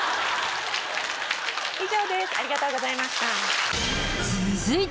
以上ですありがとうございました。